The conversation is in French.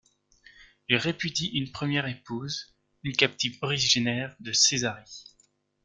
Il répudie une première épouse, une captive originaire de Césarée.